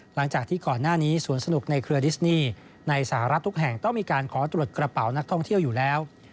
หลังจากที่ก่อนหน้านี้สวนสนุกในเครือดิสนี่ในสหรัฐทุกแห่งต้องมีการขอตรวจกระเป๋านักท่องเที่ยวอยู่แล้ว